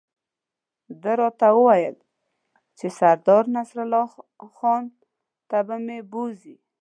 ده راته وویل چې سردار نصرالله خان ته به مې بوزي.